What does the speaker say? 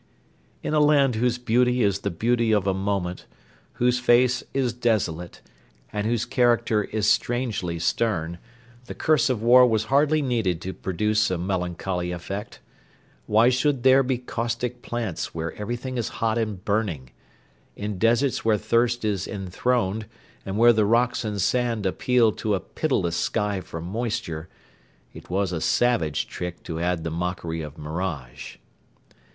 In a land whose beauty is the beauty of a moment, whose face is desolate, and whose character is strangely stern, the curse of war was hardly needed to produce a melancholy effect. Why should there be caustic plants where everything is hot and burning? In deserts where thirst is enthroned, and where the rocks and sand appeal to a pitiless sky for moisture, it was a savage trick to add the mockery of mirage.